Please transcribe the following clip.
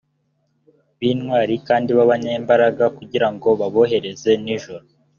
b’intwari kandi b’abanyambaraga kugira ngo abohereze nijoro